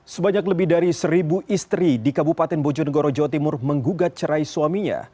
sebanyak lebih dari seribu istri di kabupaten bojonegoro jawa timur menggugat cerai suaminya